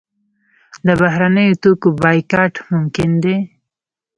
د بهرنیو توکو بایکاټ ممکن دی؟